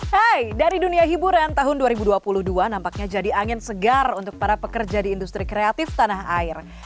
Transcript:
hai dari dunia hiburan tahun dua ribu dua puluh dua nampaknya jadi angin segar untuk para pekerja di industri kreatif tanah air